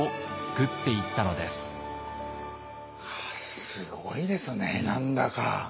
すごいですね何だか。